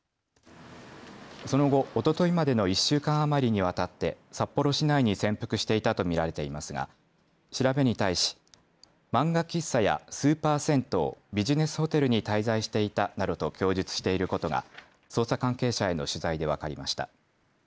その後、おとといまでの１週間余りにわたって札幌市内に潜伏していたと見られていますが調べに対し漫画喫茶やスーパー銭湯ビジネスホテルに滞在していたなどと供述していることが捜査関係者への取材で分かりました。